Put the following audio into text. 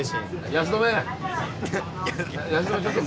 安留ちょっと。